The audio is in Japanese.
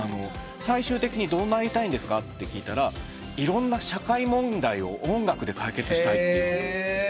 最終的にどうなりたいんですかと聞いたらいろんな社会問題を音楽で解決したいと。